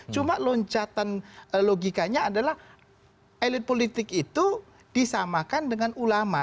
cuma loncatan logikanya adalah elit politik itu disamakan dengan ulama